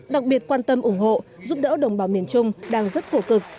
đặc biệt quan tâm ủng hộ giúp đỡ đồng bào miền trung đang rất cổ cực